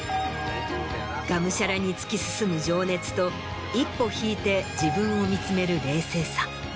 がむしゃらに突き進む情熱と一歩引いて自分を見つめる冷静さ。